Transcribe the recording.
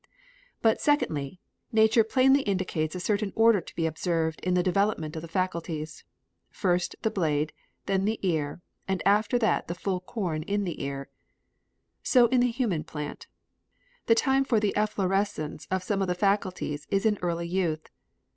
But, secondly, nature plainly indicates a certain order to be observed in the development of the faculties. "First the blade, then the ear, after that the full corn in the ear." So in the human plant. The time for the efflorescence of some of the faculties is in early youth.